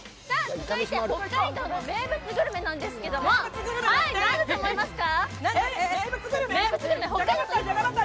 北海道の名物グルメなんですけれども、何だと思いますか？